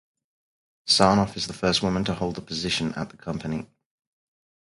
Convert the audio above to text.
Sarnoff is the first woman to hold the position at the company.